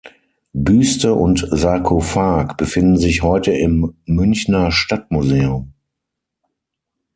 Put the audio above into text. Büste und Sarkophag befinden sich heute im Münchner Stadtmuseum.